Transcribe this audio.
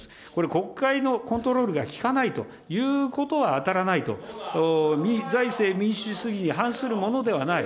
国会のコントロールが利かないということは当たらないと、財政、民主主義に反するものではない。